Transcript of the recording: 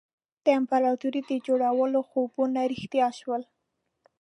د امپراطوري د جوړولو خوبونه رښتیا شول.